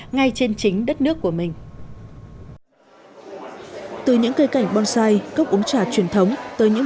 ngay trên chính đất nước của mình từ những cây cảnh bonsai cốc uống trà truyền thống tới những